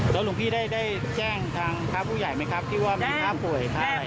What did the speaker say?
แล้วหลวงพี่ได้แจ้งทางข้าวผู้ใหญ่ไหมครับที่ว่ามีข้าวป่วย